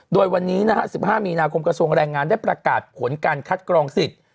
โดยวันนี้นะฮะ๑๕มีนาคมกระทรวงแรงงานได้ประกาศผลการคัดกรองสิทธิ์